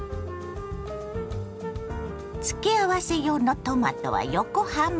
付け合わせ用のトマトは横半分に。